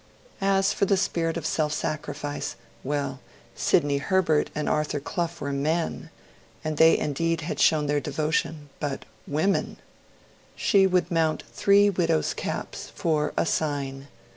As for the spirit of self sacrifice, well Sidney Herbert and Arthur Clough were men, and they indeed had shown their devotion; but women ! She would mount three widow's caps 'for a sign'.